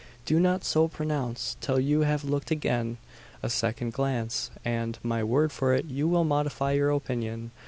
Do not so pronounce, till you have looked again. A second glance, and my word for it you will modify your opinion.